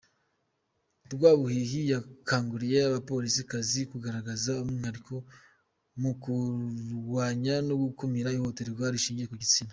Rwabuhihi yakanguriye abapolisikazi kugaragaza umwihariko mu kurwanya no gukumira ihohoterwa rishingiye ku gitsina.